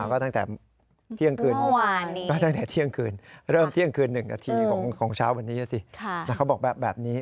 ก็ตั้งแต่เที่ยงคืนเริ่มเที่ยงคืน๑นาทีของเช้าวันนี้สินะครับแบบนี้